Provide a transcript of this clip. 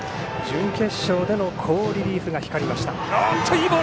準決勝での好リリーフが光りました。